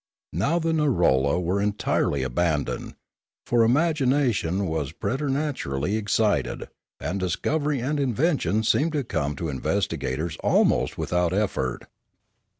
Now the narolla were entirely abandoned ; for imagination was preternaturally excited, and discovery and invention seemed to come to investigators almost without effort.